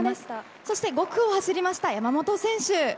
そして５区を走りました山本選手。